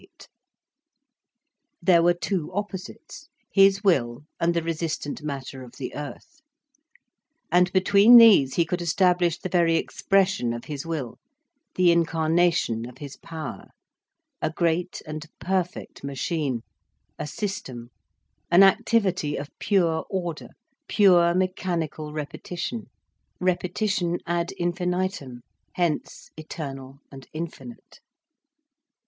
There were two opposites, his will and the resistant Matter of the earth. And between these he could establish the very expression of his will, the incarnation of his power, a great and perfect machine, a system, an activity of pure order, pure mechanical repetition, repetition ad infinitum, hence eternal and infinite.